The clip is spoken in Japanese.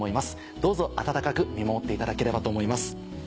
どうぞ温かく見守っていただければと思います。